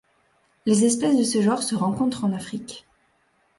Les espèces de ce genre se rencontrent en Afrique.